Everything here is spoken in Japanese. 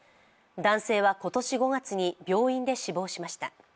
男性は今年５月に病院で死亡しました。